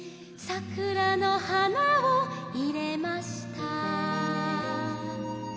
「桜の花を入れました」